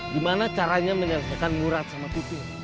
gimana caranya menyelesaikan murad sama putih